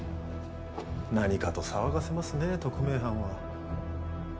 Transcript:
何かと騒がせますね特命班は。